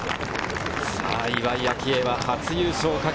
岩井明愛は初優勝をかけ